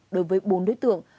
đối với bốn đối tượng